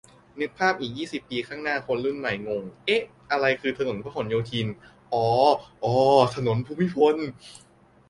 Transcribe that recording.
นึกภาพอีกยี่สิบปีข้างหน้า คนรุ่นใหม่งง เอ๊ะ อะไรคือถนนพหลโยธิน อ๋อออออ ถนนภูมิพล